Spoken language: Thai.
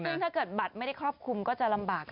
ซึ่งถ้าเกิดบัตรไม่ได้ครอบคลุมก็จะลำบาก